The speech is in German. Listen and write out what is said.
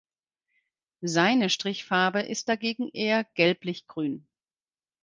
Seine Strichfarbe ist dagegen eher gelblichgrün.